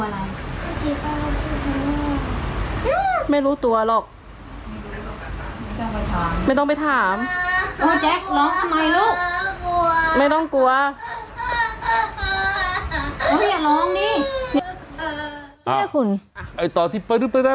ใดใจเกิดอะไร